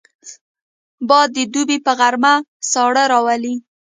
باد د دوبي په غرمه ساړه راولي